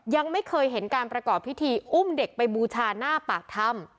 ยังไม่เคยเห็นการประกอบพิธีอุ้มเด็กไปบูชาหน้าปากถ้ำ